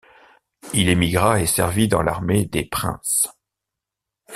Il émigra et servit dans l'Armée des Princes.